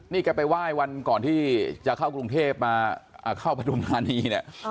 นี่แกไปไหว้วันก่อนที่จะเข้ากรุงเทพมาเข้าประทุมธานีเนี่ย